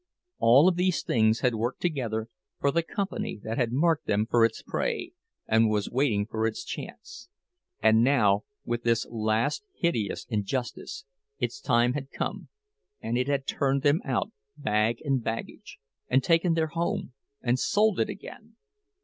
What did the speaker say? All of these things had worked together for the company that had marked them for its prey and was waiting for its chance. And now, with this last hideous injustice, its time had come, and it had turned them out bag and baggage, and taken their house and sold it again!